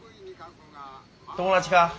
友達か？